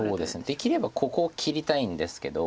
できればここを切りたいんですけど。